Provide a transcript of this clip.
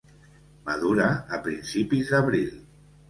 Madura a principis d'abril.